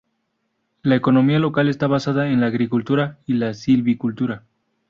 La economía local está basada en la agricultura y la silvicultura.